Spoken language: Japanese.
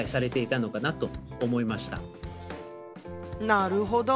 なるほど。